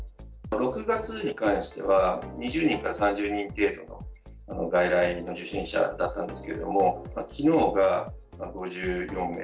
６月に関しては２０人から３０人程度の外来の受診者だったんですけども昨日が５４名。